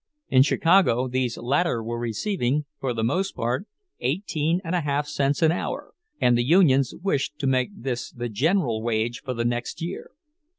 In Chicago these latter were receiving, for the most part, eighteen and a half cents an hour, and the unions wished to make this the general wage for the next year.